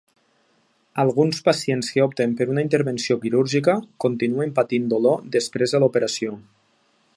Alguns pacients que opten per una intervenció quirúrgica continuen patint dolor després de l'operació.